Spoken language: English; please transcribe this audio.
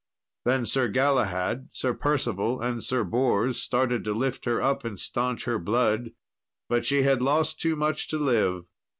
Then Sir Galahad, Sir Percival, and Sir Bors started to lift her up and staunch her blood, but she had lost too much to live.